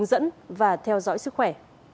dẫn và theo dõi sức khỏe